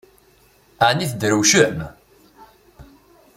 Ɛni tedrewcem?